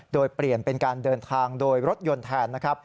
โดยเปลี่ยนเป็นการเดินทางโดยรถยนต์แทนนะครับ